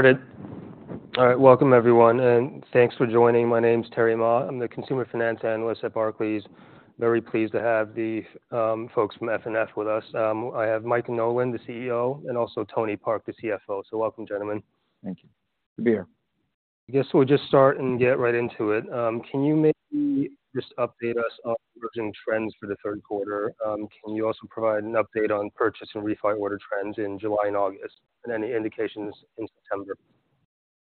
Good. All right, welcome everyone, and thanks for joining. My name is Terry Ma. I'm the consumer finance analyst at Barclays. Very pleased to have the folks from FNF with us. I have Mike Nolan, the CEO, and also Tony Park, the CFO. So welcome, gentlemen. Thank you. Good to be here. I guess we'll just start and get right into it. Can you maybe just update us on emerging trends for the third quarter? Can you also provide an update on purchase and refi order trends in July and August, and any indications in September?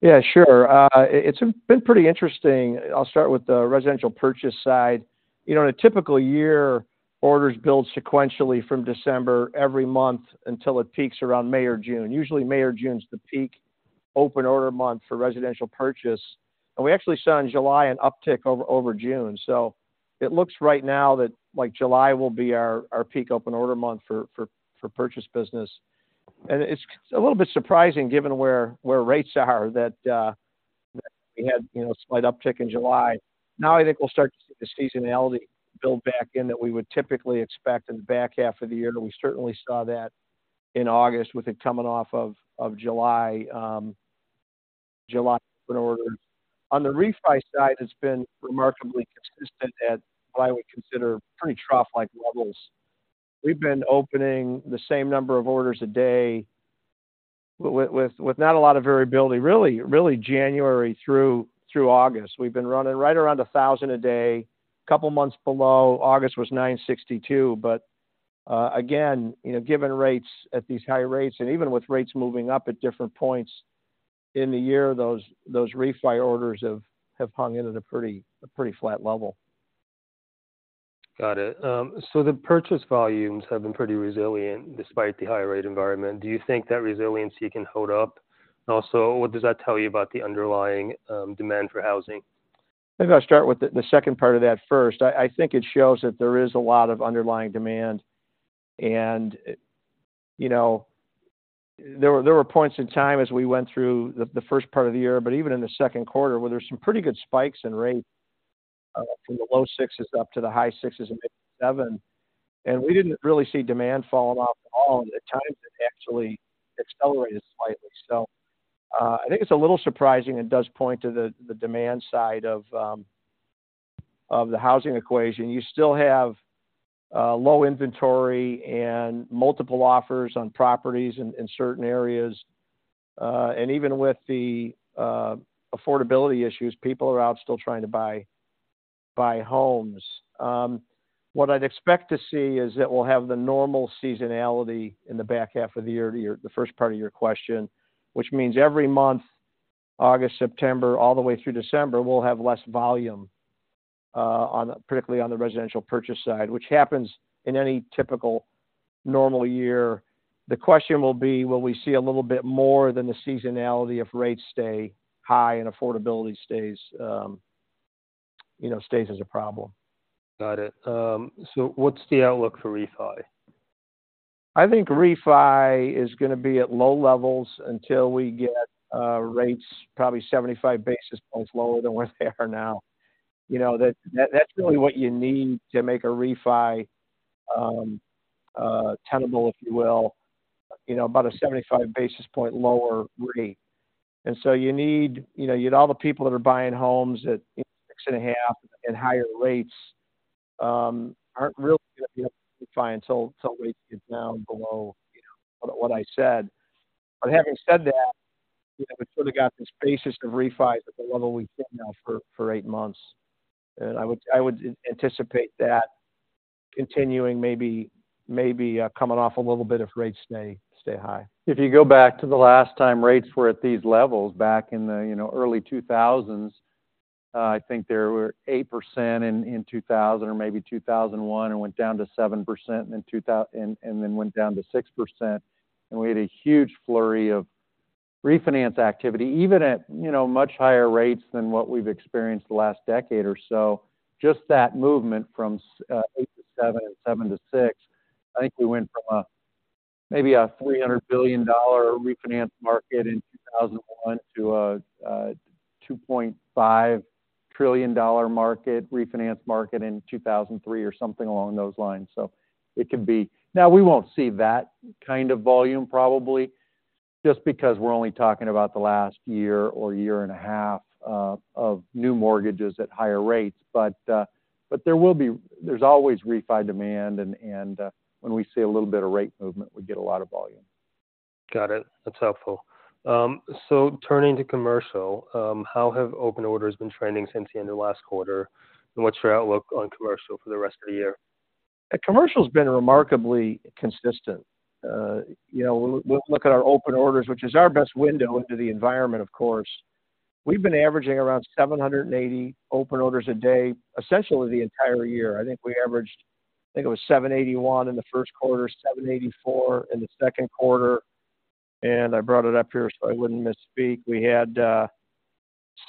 Yeah, sure. It's been pretty interesting. I'll start with the residential purchase side. You know, in a typical year, orders build sequentially from December every month until it peaks around May or June. Usually, May or June is the peak open order month for residential purchase. And we actually saw in July an uptick over June. So it looks right now that, like, July will be our peak open order month for purchase business. And it's a little bit surprising given where rates are that we had, you know, a slight uptick in July. Now, I think we'll start to see the seasonality build back in that we would typically expect in the back half of the year. But we certainly saw that in August with it coming off of July open orders. On the refi side, it's been remarkably consistent at what I would consider pretty trough-like levels. We've been opening the same number of orders a day with not a lot of variability, really January through August. We've been running right around 1,000 a day, couple months below. August was 962, but again, you know, given rates at these high rates, and even with rates moving up at different points in the year, those refi orders have hung in at a pretty flat level. Got it. So the purchase volumes have been pretty resilient despite the higher rate environment. Do you think that resiliency can hold up? Also, what does that tell you about the underlying demand for housing? Maybe I'll start with the second part of that first. I think it shows that there is a lot of underlying demand, and, you know, there were points in time as we went through the first part of the year, but even in the second quarter, where there were some pretty good spikes in rate from the low sixes up to the high sixes and mid seven, and we didn't really see demand falling off at all, and at times it actually accelerated slightly. So I think it's a little surprising and does point to the demand side of the housing equation. You still have low inventory and multiple offers on properties in certain areas, and even with the affordability issues, people are out still trying to buy homes. What I'd expect to see is that we'll have the normal seasonality in the back half of the year, to your, the first part of your question, which means every month, August, September, all the way through December, we'll have less volume, on particularly on the residential purchase side, which happens in any typical normal year. The question will be: Will we see a little bit more than the seasonality if rates stay high and affordability stays, you know, stays as a problem? Got it. So, what's the outlook for refi? I think refi is going to be at low levels until we get rates probably 75 basis points lower than what they are now. You know, that's really what you need to make a refi tenable, if you will, you know, about a 75 basis point lower rate. And so you need. You know, you get all the people that are buying homes at 6.5% and higher rates aren't really going to be able to refi until rates get down below, you know, what I said. But having said that, we sort of got this basis of refi at the level we've hit now for 8 months. And I would anticipate that continuing, maybe coming off a little bit if rates stay high. If you go back to the last time rates were at these levels, back in the, you know, early 2000s, I think there were 8% in, in 2000 or maybe 2001, and went down to 7% in 2000. And, and then went down to 6%. We had a huge flurry of refinance activity, even at, you know, much higher rates than what we've experienced the last decade or so. Just that movement from 8% to 7% and 7% to 6%, I think we went from a, maybe a $300 billion refinance market in 2001 to a, a $2.5 trillion market, refinance market in 2003 or something along those lines. So it could be... Now, we won't see that kind of volume, probably, just because we're only talking about the last year or year and a half of new mortgages at higher rates. But, but there will be, there's always refi demand, and, and, when we see a little bit of rate movement, we get a lot of volume. Got it. That's helpful. So turning to commercial, how have open orders been trending since the end of last quarter? And what's your outlook on commercial for the rest of the year? Commercial's been remarkably consistent. You know, we look at our open orders, which is our best window into the environment, of course. We've been averaging around 780 open orders a day, essentially the entire year. I think we averaged. I think it was 781 in the first quarter, 784 in the second quarter, and I brought it up here, so I wouldn't misspeak. We had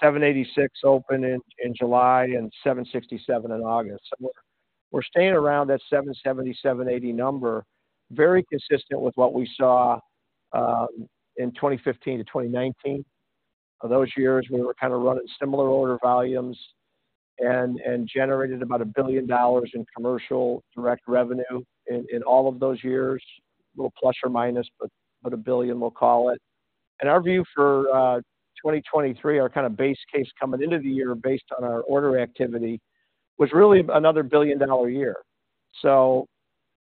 786 open in July and 767 in August. We're staying around that 770, 780 number, very consistent with what we saw in 2015-2019. For those years, we were kind of running similar order volumes, and generated about $1 billion in commercial direct revenue in all of those years. A little plus or minus, but a billion, we'll call it. Our view for 2023, our kind of base case coming into the year based on our order activity, was really another billion-dollar year. So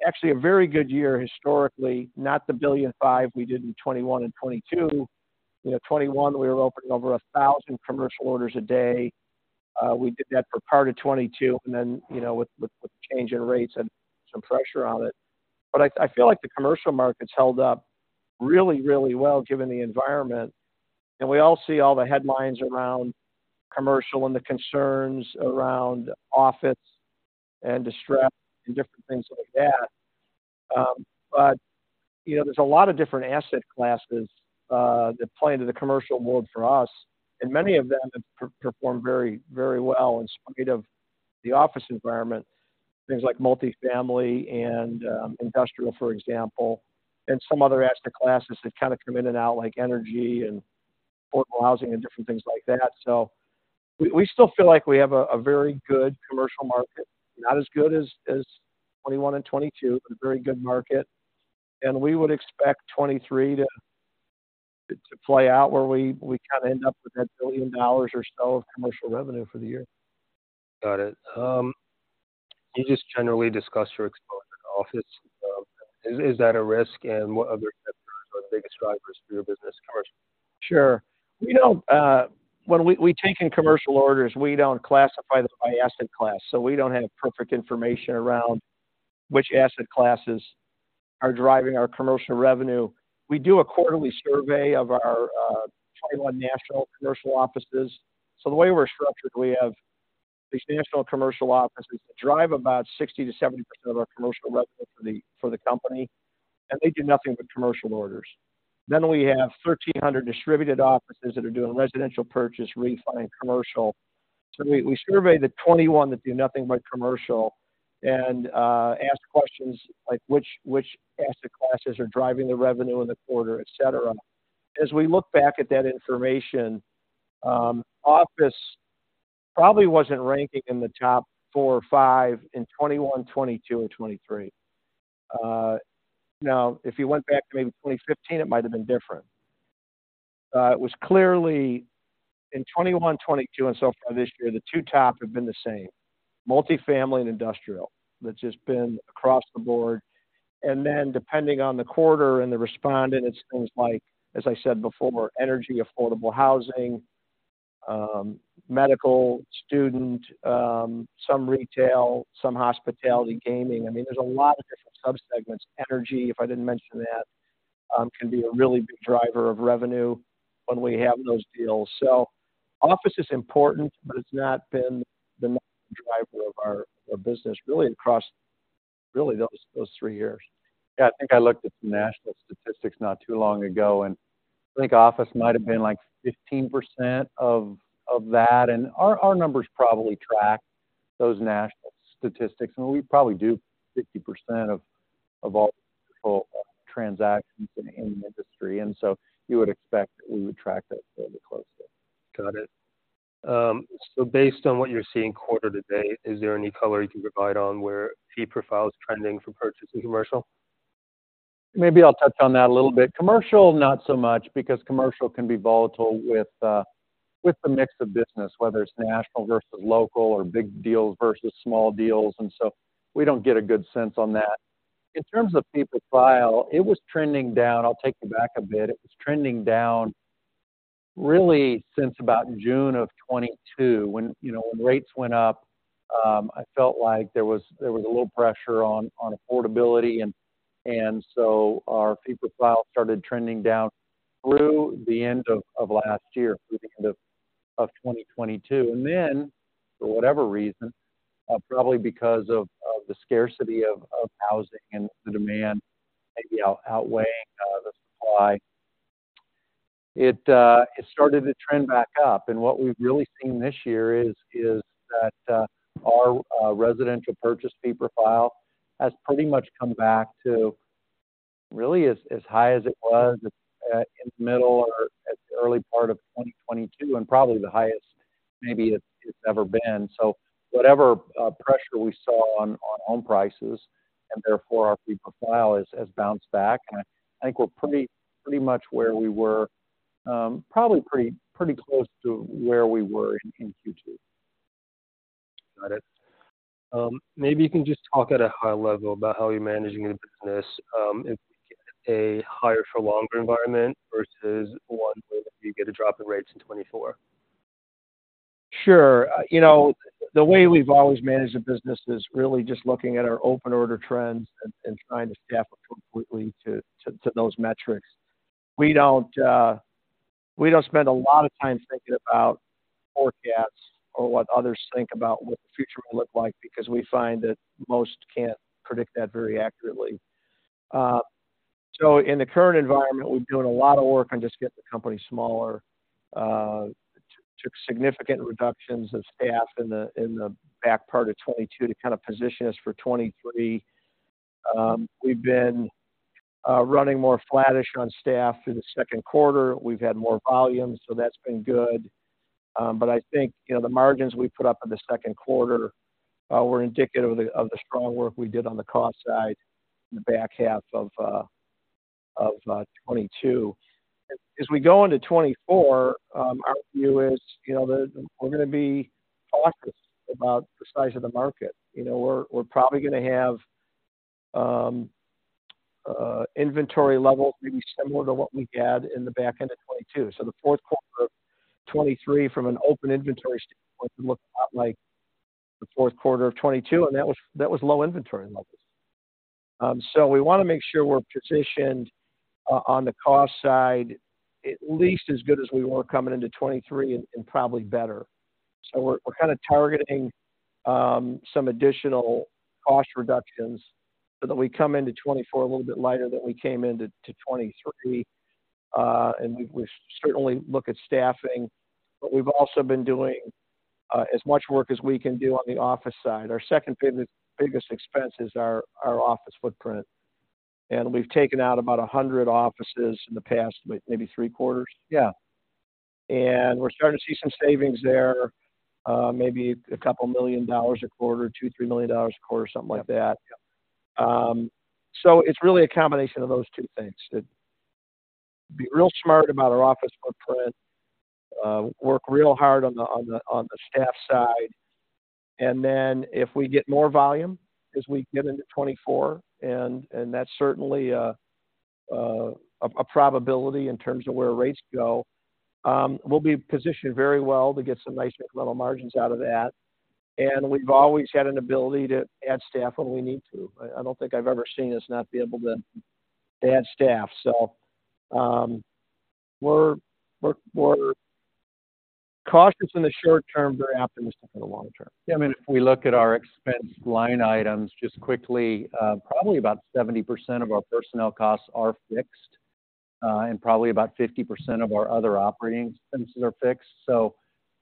actually, a very good year historically, not the $1.5 billion we did in 2021 and 2022. You know, 2021, we were opening over 1,000 commercial orders a day. We did that for part of 2022, and then, you know, with the change in rates and some pressure on it. But I feel like the commercial market's held up really, really well, given the environment. And we all see all the headlines around commercial and the concerns around office and distress and different things like that. But, you know, there's a lot of different asset classes that play into the commercial world for us, and many of them have performed very, very well in spite of the office environment. Things like multifamily and industrial, for example, and some other asset classes that kind of come in and out, like energy and affordable housing and different things like that. So we still feel like we have a very good commercial market. Not as good as 2021 and 2022, but a very good market. And we would expect 2023 to play out where we kind of end up with that $1 billion or so of commercial revenue for the year. Got it. Can you just generally discuss your exposure to office? Is that a risk, and what other sectors are the biggest drivers for your business, commercial? Sure. We don't. When we take in commercial orders, we don't classify them by asset class, so we don't have perfect information around which asset classes are driving our commercial revenue. We do a quarterly survey of our 21 national commercial offices. So the way we're structured, we have these national commercial offices that drive about 60%-70% of our commercial revenue for the company, and they do nothing but commercial orders. Then we have 1,300 distributed offices that are doing residential purchase, refi, and commercial. So we survey the 21 that do nothing but commercial and ask questions like, which asset classes are driving the revenue in the quarter, et cetera. As we look back at that information, office probably wasn't ranking in the top four or five in 2021, 2022, or 2023. Now, if you went back to maybe 2015, it might have been different. It was clearly in 2021, 2022, and so far this year, the two top have been the same: multifamily and industrial. That's just been across the board. And then, depending on the quarter and the respondent, it's things like, as I said before, energy, affordable housing, medical, student, some retail, some hospitality, gaming. I mean, there's a lot of different subsegments. Energy, if I didn't mention that, can be a really big driver of revenue when we have those deals. So office is important, but it's not been the main driver of our business, really, across really those three years. Yeah, I think I looked at some national statistics not too long ago, and I think office might have been, like, 15% of that. Our numbers probably track those national statistics, and we probably do 60% of all commercial transactions in the industry, and so you would expect we would track that fairly closely. Got it. So based on what you're seeing quarter to date, is there any color you can provide on where fee profile is trending for purchase and commercial? Maybe I'll touch on that a little bit. Commercial, not so much, because commercial can be volatile with, with the mix of business, whether it's national versus local or big deals versus small deals, and so we don't get a good sense on that. In terms of fee profile, it was trending down. I'll take you back a bit. It was trending down really since about June of 2022. When, you know, when rates went up, I felt like there was, there was a little pressure on, on affordability, and, and so our fee profile started trending down through the end of, of last year, through the end of, of 2022. And then, for whatever reason, probably because of, of the scarcity of, of housing and the demand maybe outweighing, the supply, it, it started to trend back up. And what we've really seen this year is that our residential purchase fee profile has pretty much come back to really as high as it was in the middle or at the early part of 2022, and probably the highest maybe it's ever been. So whatever pressure we saw on home prices, and therefore our fee profile has bounced back, and I think we're pretty much where we were, probably pretty close to where we were in Q2. Got it. Maybe you can just talk at a high level about how you're managing your business, if we get a higher-for-longer environment versus one where you get a drop in rates in 2024? Sure. You know, the way we've always managed the business is really just looking at our open order trends and trying to staff up completely to those metrics. We don't spend a lot of time thinking about forecasts or what others think about what the future will look like, because we find that most can't predict that very accurately. So in the current environment, we've done a lot of work on just getting the company smaller. Took significant reductions of staff in the back part of 2022 to kind of position us for 2023. We've been running more flattish on staff through the second quarter. We've had more volume, so that's been good. But I think, you know, the margins we put up in the second quarter were indicative of the strong work we did on the cost side in the back half of 2022. As we go into 2024, our view is, you know, that we're gonna be cautious about the size of the market. You know, we're probably gonna have inventory levels pretty similar to what we had in the back end of 2022. So the fourth quarter of 2023, from an open inventory standpoint, looked a lot like the fourth quarter of 2022, and that was low inventory levels. So we want to make sure we're positioned on the cost side at least as good as we were coming into 2023 and probably better. So we're kind of targeting some additional cost reductions so that we come into 2024 a little bit lighter than we came into 2023. And we certainly look at staffing, but we've also been doing as much work as we can do on the office side. Our second biggest expense is our office footprint, and we've taken out about 100 offices in the past, maybe 3/4? Yeah. And we're starting to see some savings there, maybe $2 million-$3 million a quarter, something like that. So it's really a combination of those two things. To be real smart about our office footprint, work real hard on the staff side, and then if we get more volume as we get into 2024, and that's certainly a probability in terms of where rates go, we'll be positioned very well to get some nice incremental margins out of that. And we've always had an ability to add staff when we need to. I don't think I've ever seen us not be able to add staff. So, we're cautious in the short term, very optimistic in the long term. Yeah, I mean, if we look at our expense line items just quickly, probably about 70% of our personnel costs are fixed, and probably about 50% of our other operating expenses are fixed. So,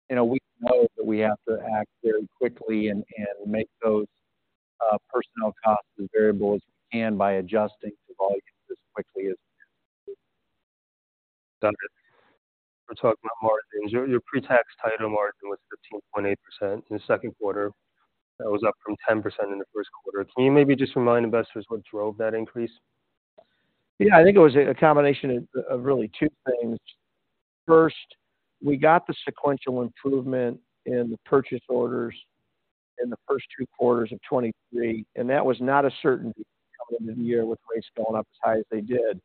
you know, we know that we have to act very quickly and, and make those personnel costs as variable as we can by adjusting to volumes as quickly as we can. Got it. We're talking about margins. Your, your pre-tax title margin was 13.8% in the second quarter. That was up from 10% in the first quarter. Can you maybe just remind investors what drove that increase? Yeah, I think it was a combination of really two things. First, we got the sequential improvement in the purchase orders in the first two quarters of 2023, and that was not a certainty coming into the year with rates going up as high as they did.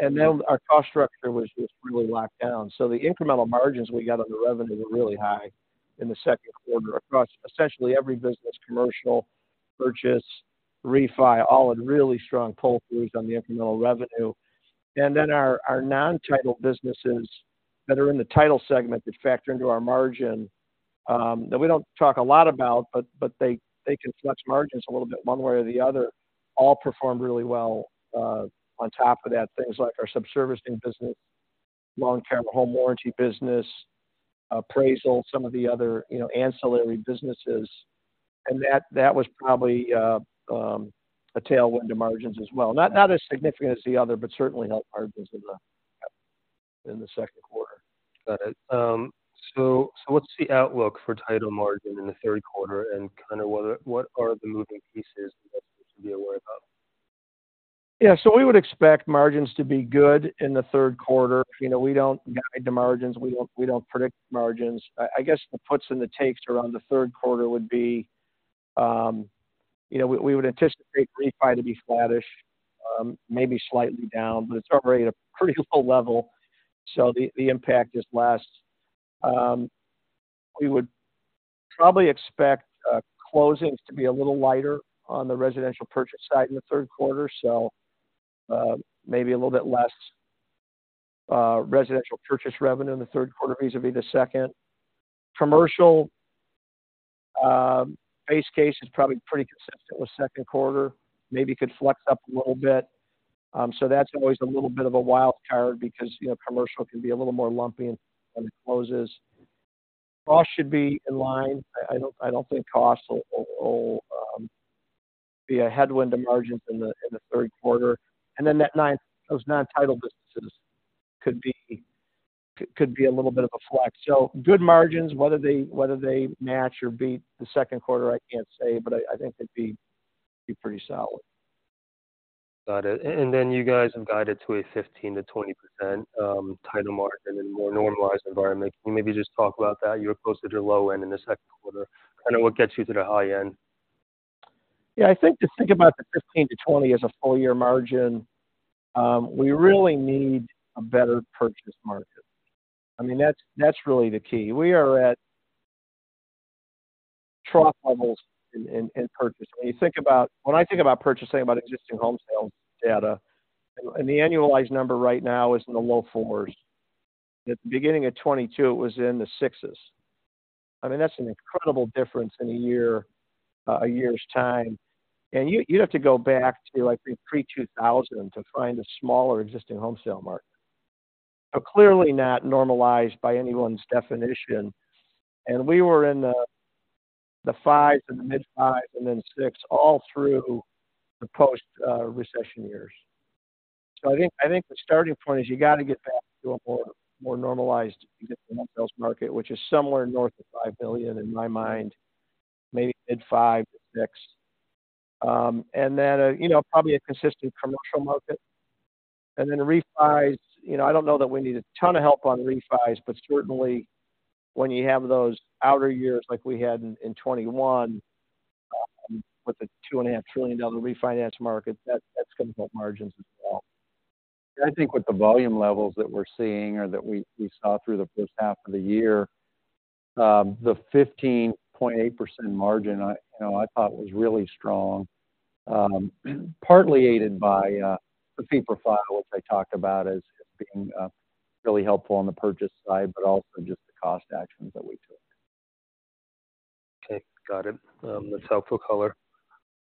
And then our cost structure was just really locked down. So the incremental margins we got on the revenue were really high in the second quarter across essentially every business, commercial, purchase, refi, all had really strong pull-throughs on the incremental revenue. And then our non-title businesses that are in the title segment that factor into our margin, that we don't talk a lot about, but they can flex margins a little bit one way or the other, all performed really well. On top of that, things like our subservicing business, long-term home warranty business, appraisal, some of the other, you know, ancillary businesses, and that was probably a tailwind to margins as well. Not as significant as the other, but certainly helped margins in the second quarter. Got it. So, what's the outlook for title margin in the third quarter, and kind of what are the moving pieces investors should be aware about? Yeah, so we would expect margins to be good in the third quarter. You know, we don't guide the margins. We don't predict margins. I guess the puts and the takes around the third quarter would be, you know, we would anticipate refi to be flattish, maybe slightly down, but it's already at a pretty low level, so the impact is less. We would probably expect closings to be a little lighter on the residential purchase side in the third quarter, so maybe a little bit less residential purchase revenue in the third quarter vis-a-vis the second. Commercial, base case is probably pretty consistent with second quarter, maybe could flex up a little bit. So that's always a little bit of a wild card because, you know, commercial can be a little more lumpy on the closes. Cost should be in line. I don't think costs will be a headwind to margins in the third quarter. And then those non-title businesses could be a little bit of a flex. So good margins, whether they match or beat the second quarter, I can't say, but I think they'd be pretty solid. Got it. And then you guys have guided to a 15%-20% title margin in a more normalized environment. Can you maybe just talk about that? You were closer to the low end in the second quarter, and what gets you to the high end? Yeah, I think to think about the 15%-20% as a full year margin, we really need a better purchase market. I mean, that's really the key. We are at trough levels in purchase. When I think about purchasing, about existing home sales data, and the annualized number right now is in the low 4s. At the beginning of 2022, it was in the 6s.... I mean, that's an incredible difference in a year, a year's time. And you, you'd have to go back to, like, pre-2000 to find a smaller existing home sale market. So clearly not normalized by anyone's definition. And we were in the, the 5s and the mid-5s and then 6 all through the post-recession years. So I think, I think the starting point is you got to get back to a more, more normalized home sales market, which is somewhere north of 5 billion in my mind, maybe mid-5, 6. And then, you know, probably a consistent commercial market. And then refis, you know, I don't know that we need a ton of help on refis, but certainly when you have those outer years like we had in 2021, with the $2.5 trillion refinance market, that's gonna help margins as well. I think with the volume levels that we're seeing or that we saw through the first half of the year, the 15.8% margin, you know, I thought was really strong. Partly aided by the fee profile, which I talked about as being really helpful on the purchase side, but also just the cost actions that we took. Okay, got it. That's helpful color.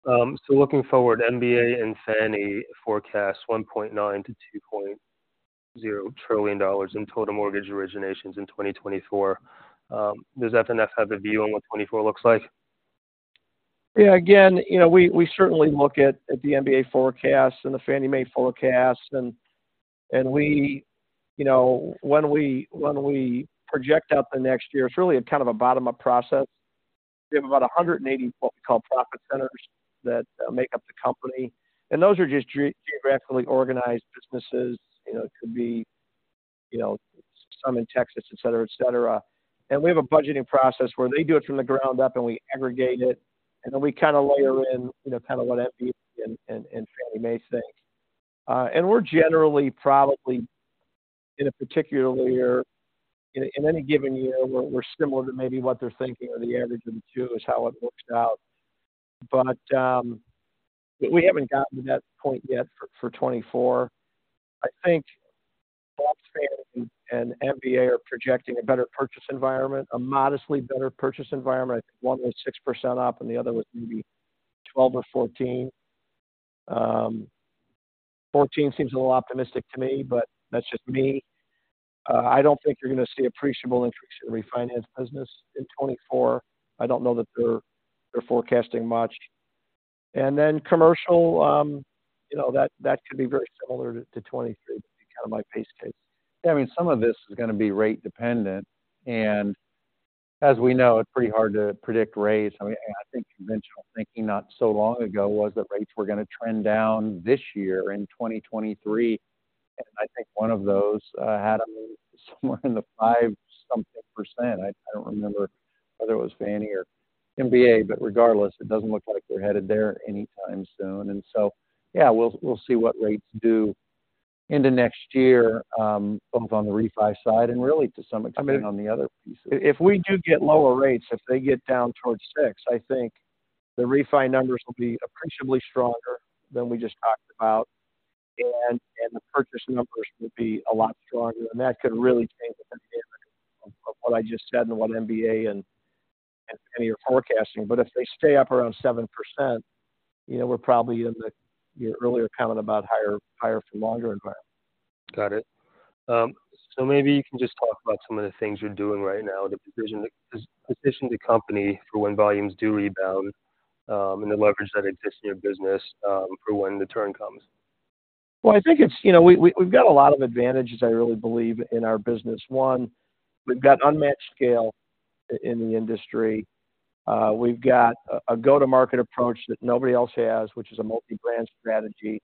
So looking forward, MBA and Fannie forecast $1.9 trillion-$2.0 trillion in total mortgage originations in 2024. Does FNF have a view on what 2024 looks like? Yeah, again, you know, we certainly look at the MBA forecast and the Fannie Mae forecast, and we... You know, when we project out the next year, it's really a kind of a bottom-up process. We have about 180, what we call profit centers, that make up the company, and those are just geographically organized businesses. You know, it could be, you know, some in Texas, et cetera, et cetera. And we have a budgeting process where they do it from the ground up, and we aggregate it, and then we kind of layer in, you know, kind of what MBA and Fannie Mae think. And we're generally probably in any given year, we're similar to maybe what they're thinking, or the average of the two is how it works out. But, we haven't gotten to that point yet for 2024. I think both Fannie and MBA are projecting a better purchase environment, a modestly better purchase environment. I think one was 6% up and the other was maybe 12 or 14. 14 seems a little optimistic to me, but that's just me. I don't think you're gonna see appreciable interest in the refinance business in 2024. I don't know that they're forecasting much. And then commercial, you know, that could be very similar to 2023, kind of my base case. I mean, some of this is gonna be rate dependent, and as we know, it's pretty hard to predict rates. I mean, I think conventional thinking, not so long ago, was that rates were gonna trend down this year in 2023. And I think one of those had them somewhere in the five something percent. I don't remember whether it was Fannie or MBA, but regardless, it doesn't look like they're headed there anytime soon. And so, yeah, we'll see what rates do into next year, both on the refi side and really to some extent on the other pieces. If we do get lower rates, if they get down towards 6%, I think the refi numbers will be appreciably stronger than we just talked about, and the purchase numbers will be a lot stronger, and that could really change the dynamic of what I just said and what MBA and Fannie are forecasting. But if they stay up around 7%, you know, we're probably in the earlier comment about higher, higher for longer environment. Got it. So maybe you can just talk about some of the things you're doing right now to position the company for when volumes do rebound, and the leverage that exists in your business, for when the turn comes. Well, I think it's you know, we've got a lot of advantages, I really believe, in our business. One, we've got unmatched scale in the industry. We've got a go-to-market approach that nobody else has, which is a multi-brand strategy.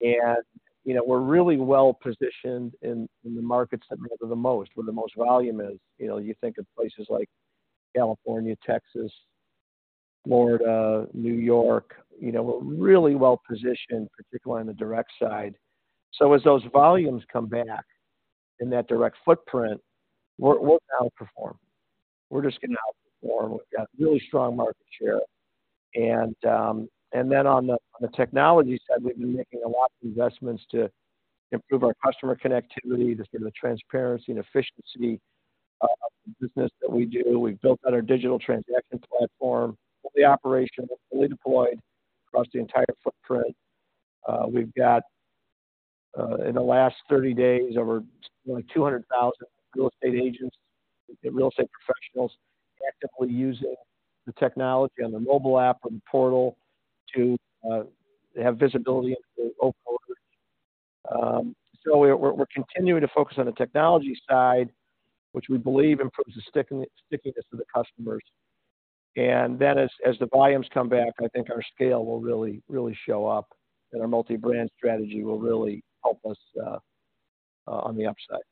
And, you know, we're really well-positioned in the markets that matter the most, where the most volume is. You know, you think of places like California, Texas, Florida, New York. You know, we're really well-positioned, particularly on the direct side. So as those volumes come back in that direct footprint, we're gonna outperform. We're just gonna outperform. We've got really strong market share. And then on the technology side, we've been making a lot of investments to improve our customer connectivity, to sort of the transparency and efficiency of the business that we do. We've built out our digital transaction platform, the operation fully deployed across the entire footprint. We've got, in the last 30 days, over 200,000 real estate agents and real estate professionals actively using the technology on the mobile app and portal to have visibility into the open orders. So we're continuing to focus on the technology side, which we believe improves the stickiness of the customers. And then as the volumes come back, I think our scale will really show up, and our multi-brand strategy will really help us on the upside.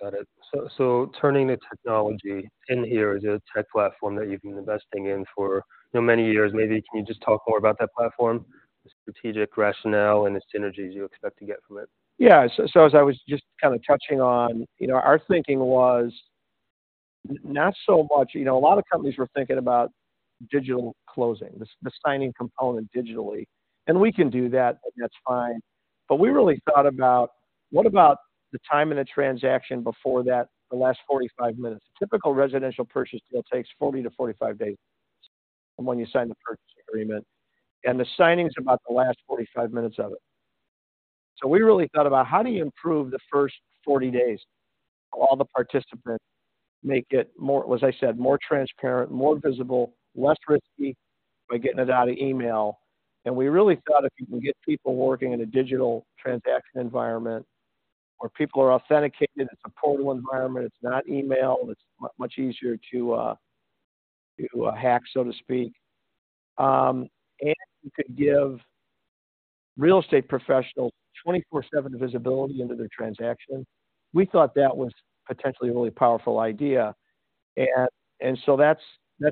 Got it. So turning to technology, inHere is a tech platform that you've been investing in for many years maybe. Can you just talk more about that platform, the strategic rationale and the synergies you expect to get from it? Yeah. So as I was just kind of touching on, you know, our thinking was not so much. You know, a lot of companies were thinking about digital closing, the signing component digitally. And we can do that, and that's fine. But we really thought about, what about the time in a transaction before that, the last 45 minutes? A typical residential purchase deal takes 40-45 days from when you sign the purchase agreement, and the signing's about the last 45 minutes of it. So we really thought about: How do you improve the first 40 days so all the participants make it more, as I said, more transparent, more visible, less risky by getting it out of email? We really thought if you can get people working in a digital transaction environment where people are authenticated, it's a portal environment, it's not email, it's much easier to hack, so to speak. And you could give real estate professionals 24/7 visibility into their transaction. We thought that was potentially a really powerful idea. And so that's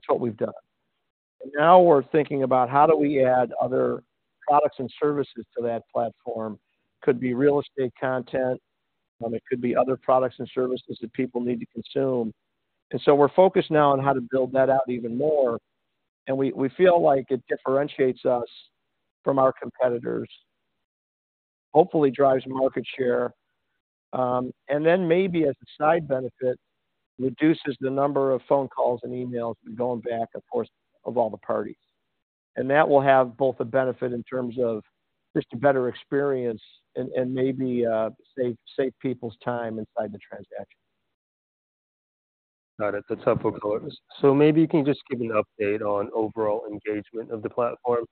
what we've done. Now we're thinking about how do we add other products and services to that platform? Could be real estate content, it could be other products and services that people need to consume. And so we're focused now on how to build that out even more, and we feel like it differentiates us from our competitors, hopefully drives market share, and then maybe as a side benefit, reduces the number of phone calls and emails going back, of course, of all the parties. And that will have both a benefit in terms of just a better experience and maybe save people's time inside the transaction. Got it. That's helpful to us. So maybe you can just give me an update on overall engagement of the platform.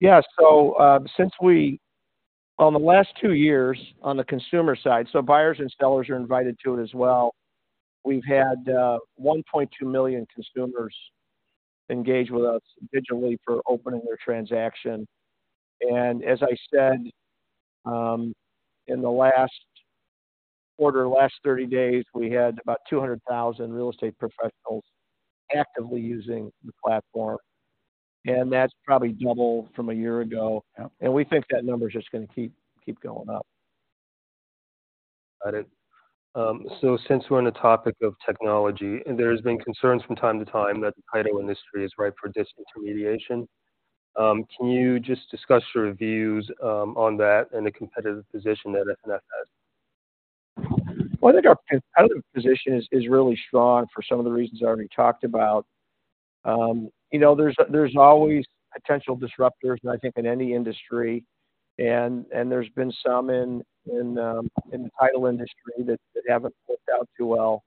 Yeah. So, since... On the last two years, on the consumer side, so buyers and sellers are invited to it as well, we've had 1.2 million consumers engage with us digitally for opening their transaction. And as I said, in the last quarter, last 30 days, we had about 200,000 real estate professionals actively using the platform, and that's probably double from a year ago. Yeah. We think that number is just gonna keep going up. Got it. So since we're on the topic of technology, and there's been concerns from time to time that the title industry is ripe for disintermediation, can you just discuss your views on that and the competitive position that FNF has? Well, I think our competitive position is really strong for some of the reasons I already talked about. You know, there's always potential disruptors, and I think in any industry, and there's been some in the title industry that haven't worked out too well,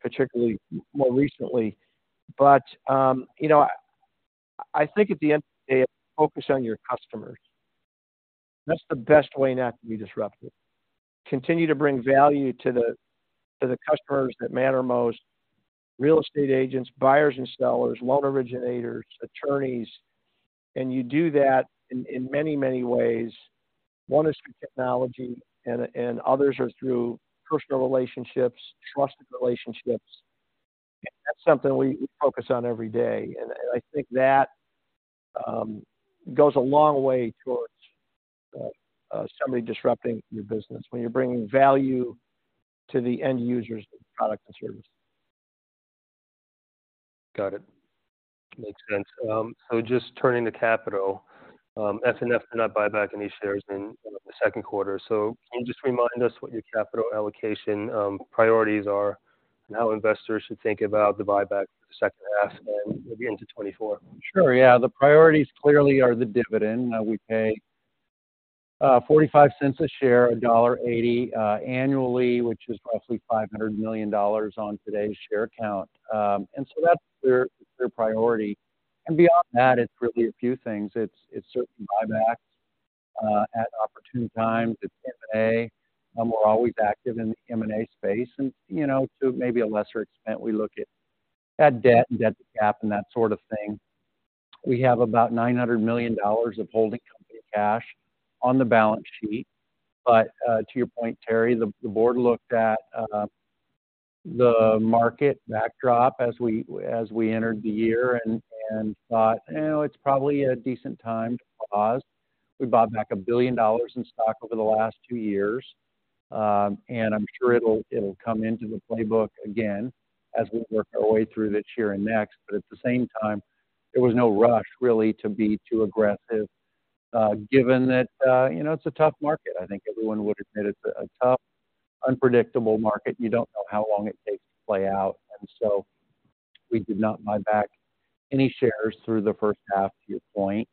particularly more recently. But, you know, I think at the end of the day, focus on your customers. That's the best way not to be disrupted. Continue to bring value to the customers that matter most, real estate agents, buyers and sellers, loan originators, attorneys, and you do that in many ways. One is through technology, and others are through personal relationships, trusted relationships. That's something we focus on every day, and I think that goes a long way towards somebody disrupting your business when you're bringing value to the end users of the product and service. Got it. Makes sense. So just turning to capital, FNF did not buy back any shares in the second quarter. So can you just remind us what your capital allocation priorities are, and how investors should think about the buyback for the second half and maybe into 2024? Sure, yeah. The priorities clearly are the dividend. We pay $0.45 a share, $1.80 annually, which is roughly $500 million on today's share count. And so that's their priority. And beyond that, it's really a few things. It's certainly buybacks at opportune times. It's M&A, and we're always active in the M&A space. And, you know, to maybe a lesser extent, we look at bad debt and debt cap and that sort of thing. We have about $900 million of holding company cash on the balance sheet.. But, to your point, Terry, the board looked at the market backdrop as we entered the year and thought, "You know, it's probably a decent time to pause." We bought back $1 billion in stock over the last two years, and I'm sure it'll come into the playbook again as we work our way through this year and next. But at the same time, there was no rush, really, to be too aggressive, given that, you know, it's a tough market. I think everyone would admit it's a tough, unpredictable market. You don't know how long it takes to play out, and so we did not buy back any shares through the first half, to your point.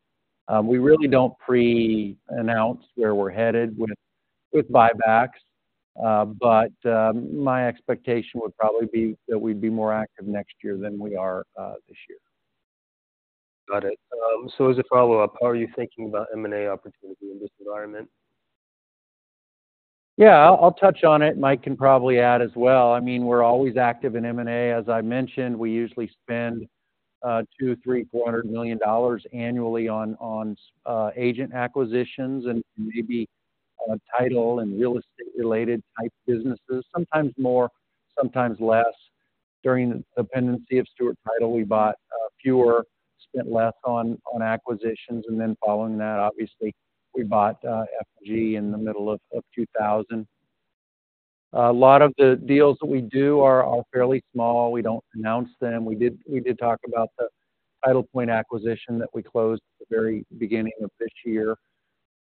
We really don't pre-announce where we're headed with buybacks, but my expectation would probably be that we'd be more active next year than we are this year. Got it. So as a follow-up, how are you thinking about M&A opportunity in this environment? Yeah, I'll touch on it. Mike can probably add as well. I mean, we're always active in M&A. As I mentioned, we usually spend $200-$400 million annually on agent acquisitions and maybe title and real estate-related type businesses. Sometimes more, sometimes less. During the pendency of Stewart Title, we bought fewer, spent less on acquisitions, and then following that, obviously, we bought F&G in the middle of 2000.... A lot of the deals that we do are all fairly small. We don't announce them. We did talk about the TitlePoint acquisition that we closed at the very beginning of this year.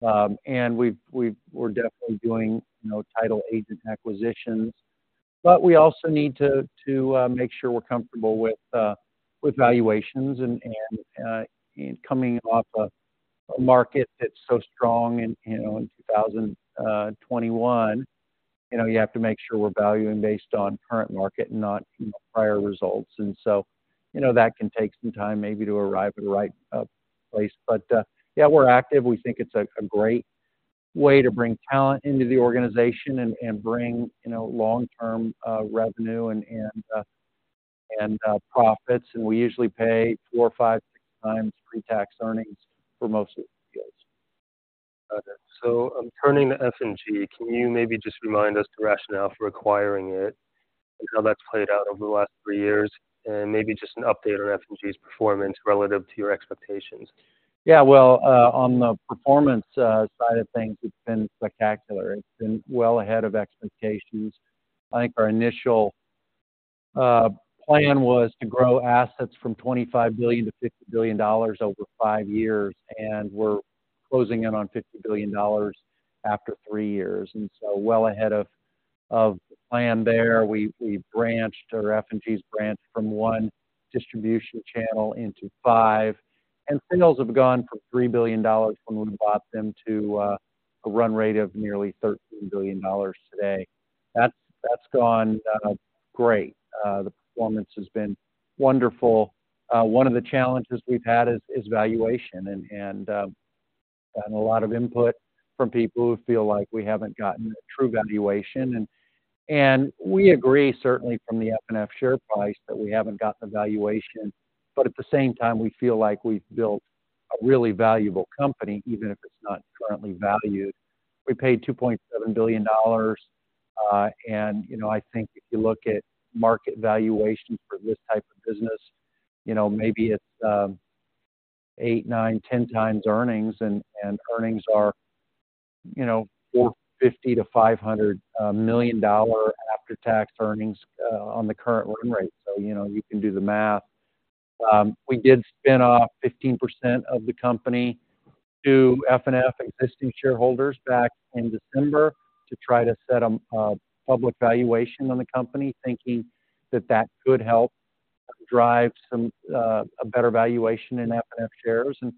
And we've we're definitely doing, you know, title agent acquisitions. But we also need to make sure we're comfortable with valuations and coming off a market that's so strong, you know, in 2021. You know, you have to make sure we're valuing based on current market and not prior results. And so, you know, that can take some time maybe to arrive at the right place. But yeah, we're active. We think it's a great way to bring talent into the organization and bring, you know, long-term revenue and profits. And we usually pay 4 or 5 times pre-tax earnings for most of the deals. Got it. So I'm turning to F&G. Can you maybe just remind us the rationale for acquiring it and how that's played out over the last three years? And maybe just an update on F&G's performance relative to your expectations. Yeah, well, on the performance, side of things, it's been spectacular. It's been well ahead of expectations. I think our initial plan was to grow assets from $25 billion to $50 billion over five years, and we're closing in on $50 billion after three years, and so well ahead of the plan there. We branched, or F&G's branched from one distribution channel into five, and singles have gone from $3 billion when we bought them to a run rate of nearly $13 billion today. That's gone great. The performance has been wonderful. One of the challenges we've had is valuation and a lot of input from people who feel like we haven't gotten a true valuation. And we agree, certainly from the FNF share price, that we haven't gotten a valuation. But at the same time, we feel like we've built a really valuable company, even if it's not currently valued. We paid $2.7 billion, and, you know, I think if you look at market valuation for this type of business, you know, maybe it's 8, 9, 10 times earnings, and earnings are, you know, $450 million-$500 million after-tax earnings on the current run rate. So, you know, you can do the math. We did spin off 15% of the company to FNF existing shareholders back in December to try to set a public valuation on the company, thinking that that could help drive some a better valuation in FNF shares. And,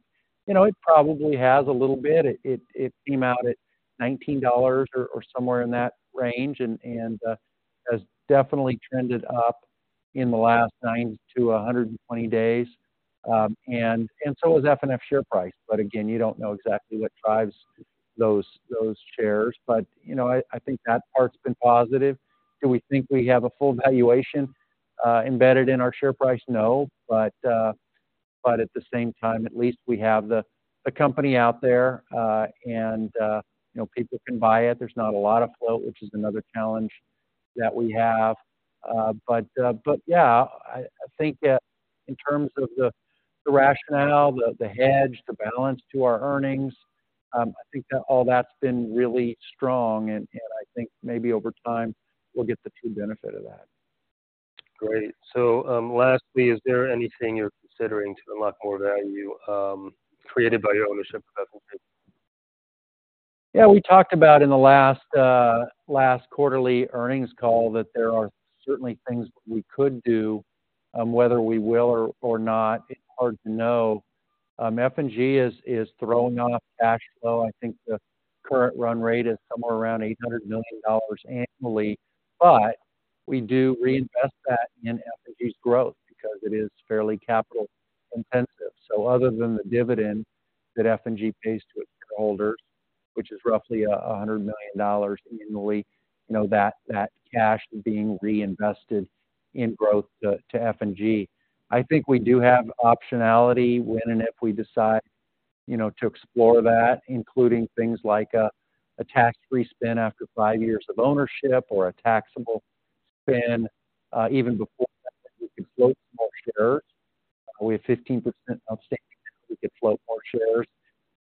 you know, it probably has a little bit. It came out at $19 or somewhere in that range and has definitely trended up in the last 90-120 days. And so has FNF share price. But again, you don't know exactly what drives those shares. But, you know, I think that part's been positive. Do we think we have a full valuation embedded in our share price? No, but at the same time, at least we have the company out there, and, you know, people can buy it. There's not a lot of flow, which is another challenge that we have. But yeah, I think that in terms of the rationale, the hedge, the balance to our earnings, I think that all that's been really strong, and I think maybe over time, we'll get the true benefit of that. Great. So, lastly, is there anything you're considering to unlock more value, created by your ownership of F&G? Yeah, we talked about in the last last quarterly earnings call that there are certainly things we could do, whether we will or, or not, it's hard to know. F&G is, is throwing off cash flow. I think the current run rate is somewhere around $800 million annually, but we do reinvest that in F&G's growth because it is fairly capital intensive. So other than the dividend that F&G pays to its shareholders, which is roughly a hundred million dollars annually, you know, that, that cash is being reinvested in growth to, to F&G. I think we do have optionality when and if we decide, you know, to explore that, including things like a, a tax-free spin after five years of ownership or a taxable spin, even before we can float more shares. We have 15% of stake, we could float more shares.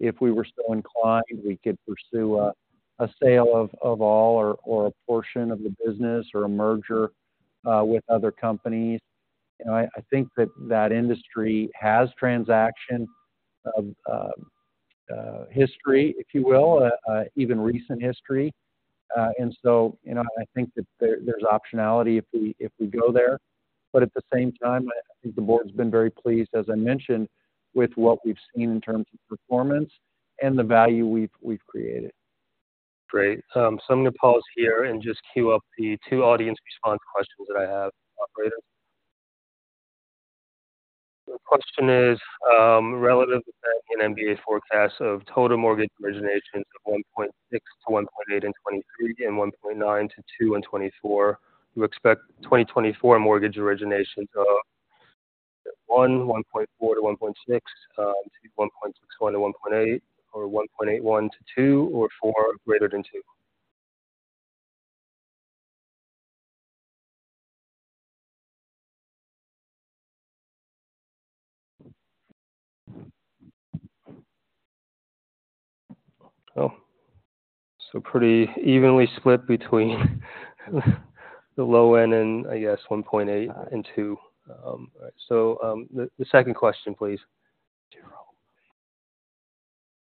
If we were so inclined, we could pursue a sale of all or a portion of the business or a merger with other companies. You know, I think that industry has transaction history, if you will, even recent history. And so, you know, I think that there, there's optionality if we go there. But at the same time, I think the board's been very pleased, as I mentioned, with what we've seen in terms of performance and the value we've created. Great. So I'm going to pause here and just queue up the two audience response questions that I have. Operator? The question is, relative to an MBA forecast of total mortgage originations of 1.6-1.8 in 2023 and $1.9 trillion-$2 trillion in 2024, you expect 2024 mortgage originations of one, $1.4 trillion-$1.6 trillion, $1.61 trillion-$1.8 trillion, $1.81 trillion to $2 trillion or four, greater than $2 trillion?... Oh, so pretty evenly split between the low end and I guess $1.8 trillion and $2 trillion. So, the second question, please.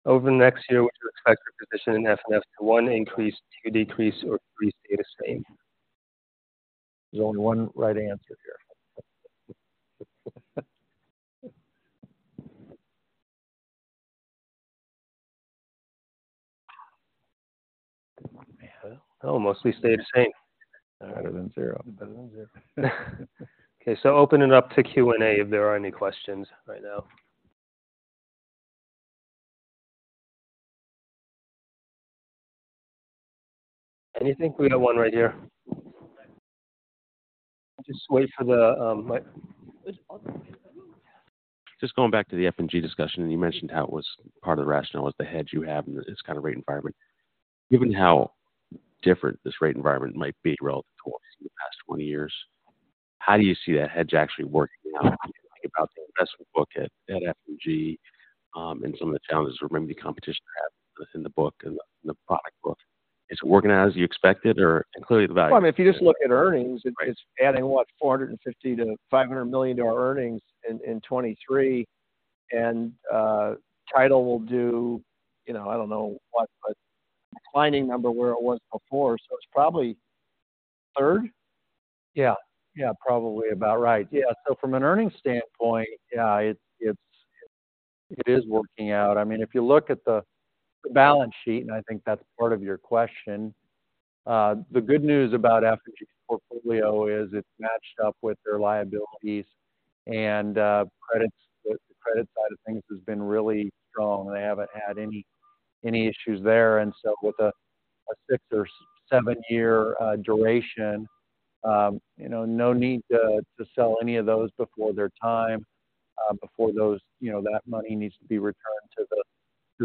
Over the next year, would you expect your position in FNF to one, increase, two, decrease, or three, stay the same? There's only one right answer here. Oh, mostly stay the same. Better than zero. Better than zero. Okay, so opening it up to Q&A if there are any questions right now. I think we have one right here. Just wait for the mic. Just going back to the F&G discussion, and you mentioned how it was part of the rationale was the hedge you have in this kind of rate environment. Given how different this rate environment might be relative to what we've seen in the past 20 years, how do you see that hedge actually working out about the investment book at F&G, and some of the challenges remember, the competition have in the book and the product book. Is it working out as you expected or including the value? Well, if you just look at earnings, it's adding, what? $450 million-$500 million earnings in 2023. And title will do, you know, I don't know what, but declining number where it was before, so it's probably third. Yeah. Yeah, probably about right. Yeah. So from an earnings standpoint, yeah, it's, it is working out. I mean, if you look at the balance sheet, and I think that's part of your question, the good news about F&G portfolio is it's matched up with their liabilities and credits. The credit side of things has been really strong. They haven't had any issues there. And so with a six or seven year duration, you know, no need to sell any of those before their time, before those, you know, that money needs to be returned to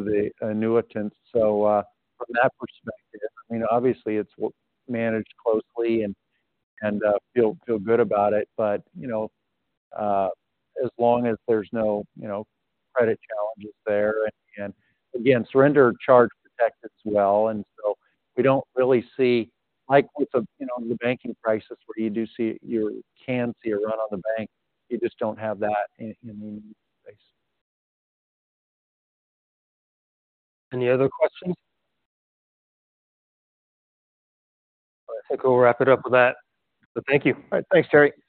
the annuitants. So, from that perspective, I mean, obviously it's managed closely and feel good about it. But, you know, as long as there's no credit challenges there, and again, surrender charge protected as well. We don't really see, like with the, you know, the banking crisis where you do see... You can see a run on the bank. You just don't have that in the space. Any other questions? I think we'll wrap it up with that. So thank you. Thanks, Terry.